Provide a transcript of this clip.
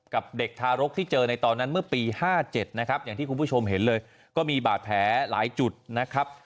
กับเด็กทารกที่เจอในตอนนั้นเมื่อปี๕๗นะครับอย่างที่คุณผู้ชมเห็นเลยก็มีบาดแผลหลายจุดนะครับ